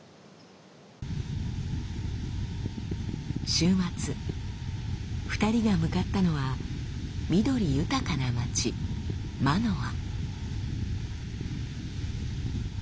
週末２人が向かったのは緑豊かな街マノア。